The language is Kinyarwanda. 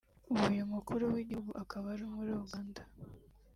ubu uyu Mukuru w’Igihugu akaba ari muri Uganda